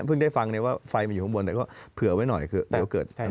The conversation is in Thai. ได้ฟังเนี่ยว่าไฟมันอยู่ข้างบนแต่ก็เผื่อไว้หน่อยคือเดี๋ยวเกิด